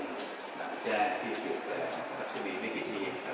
นางแจ้พี่กิจและพระขับชมีไม่กี่ชีพครับ